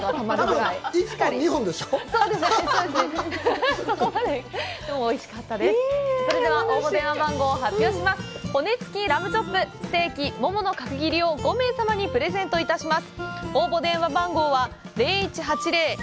「ワインラムの骨付きラムチョップ、ステーキ、ももの角切り」をセットにして５名様にプレゼントいたします。